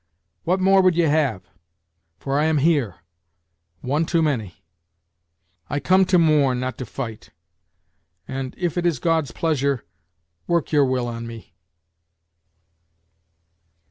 What more would ye have? for I am here one too many. I come to mourn, not to fight; and, if it is God's pleasure, work your will on me."